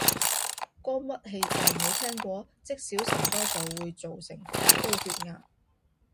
肝鬱氣滯，你聽過？積少成多就會做成高血壓